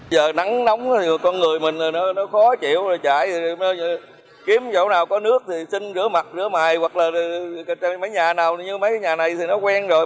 giờ nắng nóng thì con người mình nó khó chịu rồi chạy kiếm chỗ nào có nước thì xin rửa mặt giữa mài hoặc là mấy nhà nào như mấy nhà này thì nó quen rồi